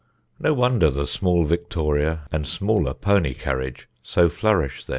No wonder the small victoria and smaller pony carriage so flourish there.